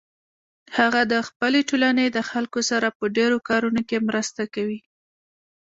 هغه د خپلې ټولنې د خلکو سره په ډیرو کارونو کې مرسته کوي